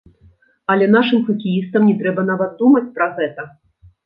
Але нашым хакеістам не трэба нават думаць пра гэта!